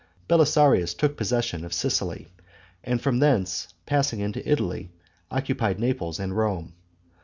Belisarius took possession of Sicily, and from thence passing into Italy, occupied Naples and Rome.